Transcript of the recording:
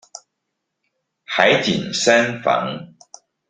海景三房